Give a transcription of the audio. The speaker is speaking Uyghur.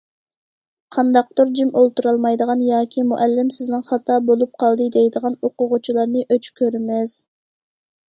قانداقتۇر جىم ئولتۇرالمايدىغان ياكى‹‹ مۇئەللىم سىزنىڭ خاتا بولۇپ قالدى›› دەيدىغان ئوقۇغۇچىلارنى ئۆچ كۆرىمىز.